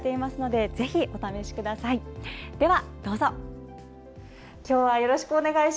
では、どうぞ！